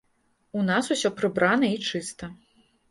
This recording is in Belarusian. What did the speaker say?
У нас усё прыбрана і чыста.